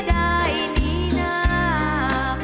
เสียงรัก